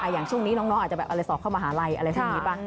อย่างช่วงนี้น้องอาจจะแบบอะไรสอบเข้ามหาลัยอะไรพวกนี้บ้าง